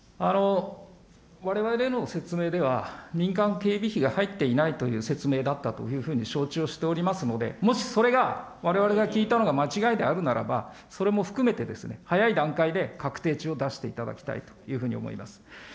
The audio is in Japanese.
われわれへの説明では、民間警備費が入っていないという説明だったというふうに承知をしておりますので、もし、それが、われわれが聞いたのが間違いであるならば、それも含めてですね、早い段階で確定値を出していただきたいというふうに思います。